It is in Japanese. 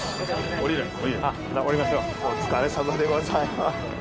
お疲れさまでございます。